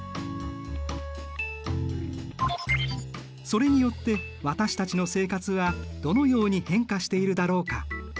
それによって私たちの生活はどのように変化しているだろうか。